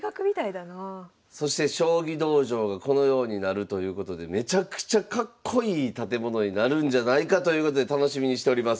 そして将棋道場がこのようになるということでめちゃくちゃかっこいい建物になるんじゃないかということで楽しみにしております。